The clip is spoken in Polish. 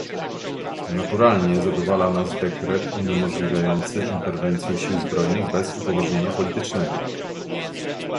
Naturalnie, zadowala nas dekret uniemożliwiający interwencję sił zbrojnych bez upoważnienia politycznego